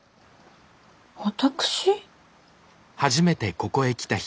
私？